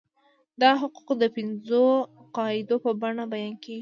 دا حقوق د پنځو قاعدو په بڼه بیان کیږي.